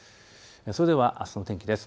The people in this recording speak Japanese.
それではあすの天気です。